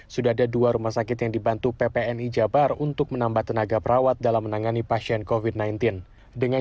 sudah ada dua rumah sakit yang dibantu ppni jabar untuk menambah tenaga perawat dalam menangani pasien